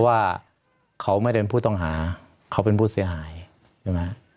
ว่าเขาไม่ได้เป็นผู้ต้องหาเขาเป็นผู้เสียหายใช่ไหม